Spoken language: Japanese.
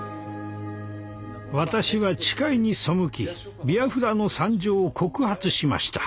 私は誓いに背きビアフラの惨状を告発しました。